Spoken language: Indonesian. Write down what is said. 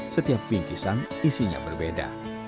setiap bingkisan isinya berbeda